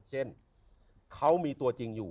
เช่นเขามีตัวจริงอยู่